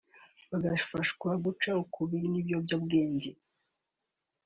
bagafashwa guca ukubiri n’ibiyobyabwenge